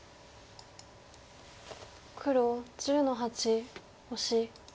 黒１０の八オシ。